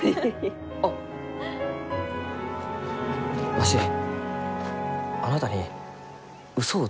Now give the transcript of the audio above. わしあなたに嘘をついてしもうて。